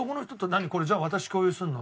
これじゃあ私共有するの？